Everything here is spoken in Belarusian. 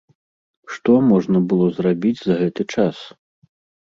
Што можна было зрабіць за гэты час?